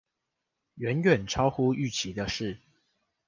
遠遠超乎預期的事